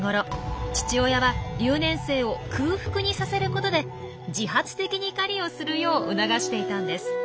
父親は留年生を空腹にさせることで自発的に狩りをするよう促していたんです。